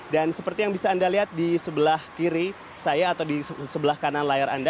dan seperti yang bisa anda lihat di sebelah kiri saya atau di sebelah kanan layar anda